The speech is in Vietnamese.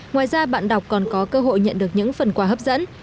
ngoài ra bạn đọc còn có cơ hội nhận được những phần quà hấp dẫn